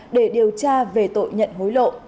để điều tra về tội nhận hối lộ